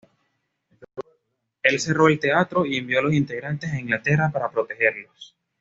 El cerró el teatro y envió a los integrantes a Inglaterra para protegerlos.